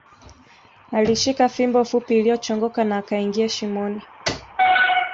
Alishika fimbo fupi iliyochongoka na akaingia shimoni